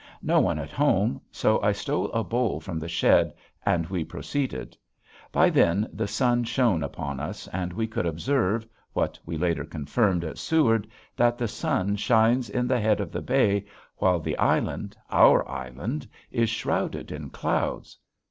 No one at home so I stole a bowl from the shed and we proceeded. By then the sun shone upon us and we could observe, what we later confirmed at Seward, that the sun shines at the head of the bay while the island, our island, is shrouded in clouds.